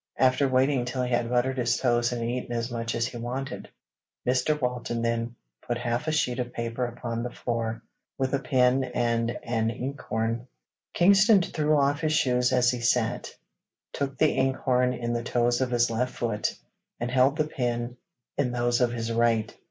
After waiting till he had buttered his toast and eaten as much as he wanted, Mr. Walton then 'put half a sheet of paper upon the floor, with a pen and an ink horn. Kingston threw off his shoes as he sat, took the ink horn in the toes of his left foot, and held the pen in those of his right.